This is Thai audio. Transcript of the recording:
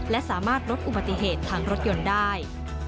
และสามารถลดอุบัติเหตุทางรถยนต์ได้